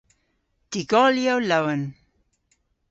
Dy'golyow lowen.